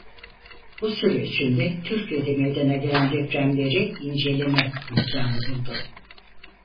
Bu süre içinde Türkiye'de meydana gelen depremleri inceleme imkânı buldu.